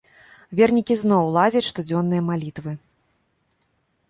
Вернікі зноў ладзяць штодзённыя малітвы.